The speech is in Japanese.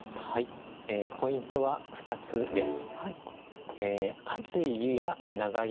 ポイントは２つです。